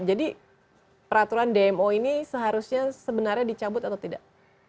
jadi peraturan dmo ini seharusnya sebenarnya dicabut atau tidak